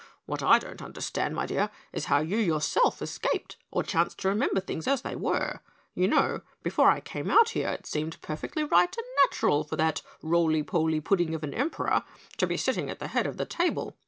What I don't understand, my dear, is how you yourself escaped or chanced to remember things as they were. You know, before I came out here, it seemed perfectly right and natural for that roly poly pudding of an Emperor to be sitting at the head of the table.